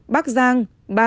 bắc giang ba